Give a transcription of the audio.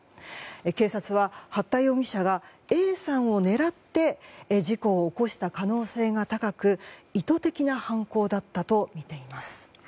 警察は八田容疑者がＡさんを狙って事故を起こした可能性が高く意図的な犯行だったとみています。